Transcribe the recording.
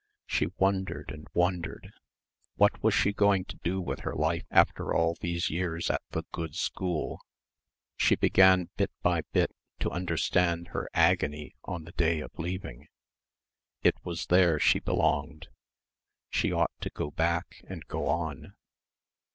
She wondered and wondered. What was she going to do with her life after all these years at the good school? She began bit by bit to understand her agony on the day of leaving. It was there she belonged. She ought to go back and go on.